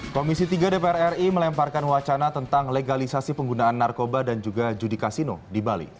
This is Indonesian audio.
komisi tiga dpr ri melemparkan wacana tentang legalisasi penggunaan narkoba dan juga judi kasino di bali